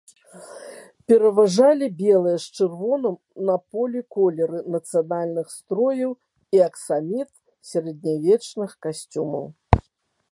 Пераважалі белыя з чырвоным на полі колеры нацыянальных строяў і аксаміт сярэднявечных касцюмаў.